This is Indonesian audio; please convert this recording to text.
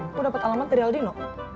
lo dapet alamat dari aldino